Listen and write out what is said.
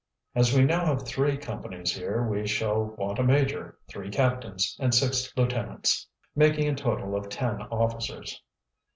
As we now have three companies here we shall want a major, three captains, and six lieutenants, making a total of ten officers.